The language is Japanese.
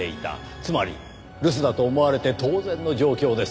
つまり留守だと思われて当然の状況です。